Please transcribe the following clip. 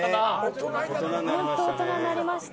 本当に大人になりました。